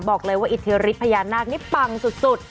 บอกเลยว่าอิทธิฤทธิพญานาคนี่ปังสุด